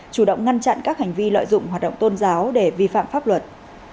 chủ động ngăn chặn các hành vi lợi dụng hoạt động tôn giáo để vi phạm pháp luật